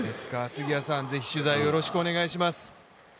ぜひ、取材をよろしくお願いします。